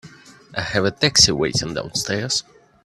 I have a taxi waiting downstairs.